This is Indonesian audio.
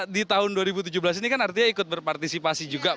di tahun dua ribu tujuh belas ini kan artinya ikut berpartisipasi juga